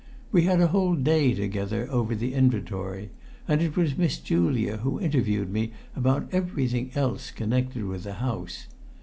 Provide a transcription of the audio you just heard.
We had a whole day together over the inventory, and it was Miss Julia who interviewed me about everything else connected with the house.